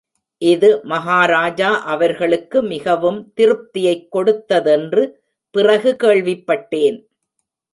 இது மகாராஜா அவர்களுக்கு மிகவும் திருப்தியைக் கொடுத்ததென்று பிறகு கேள்விப்பட்டேன்.